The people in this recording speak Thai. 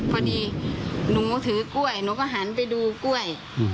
พอดีหนูถือกล้วยหนูก็หันไปดูกล้วย